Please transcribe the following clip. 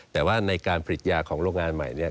แต่ว่าในการผลิตยาของโรงงานใหม่เนี่ย